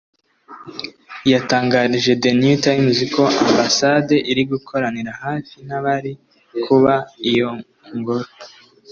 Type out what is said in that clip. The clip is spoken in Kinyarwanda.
yatangarije The New Times ko Ambasade iri gukoranira hafi n’abari kubaka iyo ngoro